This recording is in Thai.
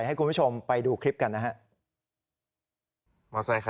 ให้คุณผู้ชมไปดูคลิปกันนะครับ